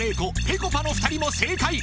ぺこぱの２人も正解！